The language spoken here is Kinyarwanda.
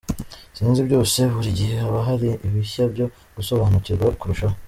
sinzi byose, buri gihe haba hari ibishya byo gusobanukirwa kurushaho.